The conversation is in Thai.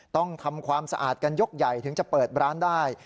ต้องทำความสะอาดกันยกใหญ่ถึงจะเปิดร้านได้